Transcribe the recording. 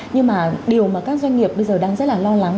nhưng mà điều mà các doanh nghiệp bây giờ đang rất là lo lắng